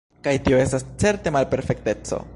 Kaj tio estas certe malperfekteco.